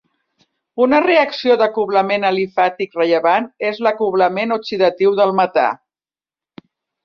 Una reacció d'acoblament alifàtic rellevant és l'acoblament oxidatiu del metà.